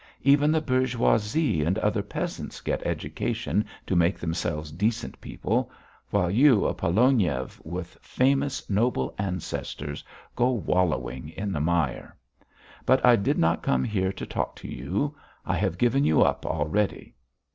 Even the bourgeoisie and other peasants get education to make themselves decent people, while you, a Pologniev, with famous, noble ancestors, go wallowing in the mire! But I did not come here to talk to you. I have given you up already."